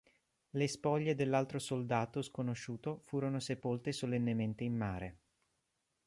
Le spoglie dell'altro soldato sconosciuto furono sepolte solennemente in mare.